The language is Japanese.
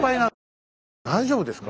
大丈夫ですか？